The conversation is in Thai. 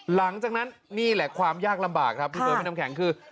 หลังจากนั้นนี่แหละความยากลำบากครับพี่เบิร์พี่น้ำแข็งคือ